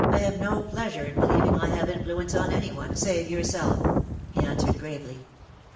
" 1 have no pleasure in believing 1 have influence on any one, save yourself," he answered gravely.